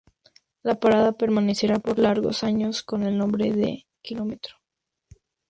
La parada permanecerá por largos años con el nombre de Km.